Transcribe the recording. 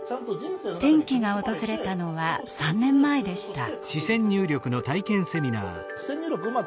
転機が訪れたのは３年前でした。